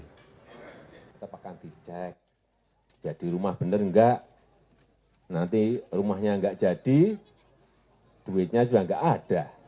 tetap akan dicek jadi rumah benar enggak nanti rumahnya nggak jadi duitnya sudah nggak ada